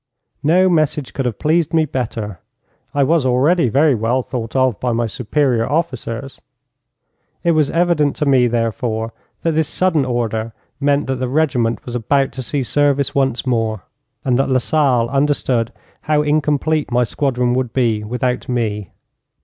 No message could have pleased me better. I was already very well thought of by my superior officers. It was evident to me, therefore, that this sudden order meant that the regiment was about to see service once more, and that Lasalle understood how incomplete my squadron would be without me.